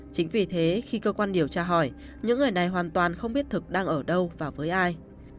chính vì thế khi cơ quan điều tra hỏi những người này hoàn toàn không biết thực đang ở đâu và với ai